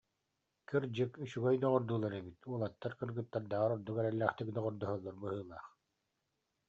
Кырдьык, үчүгэй доҕордуулар эбит, уолаттар кыргыттардааҕар ордук эрэллээхтик доҕордоһоллор быһыылаах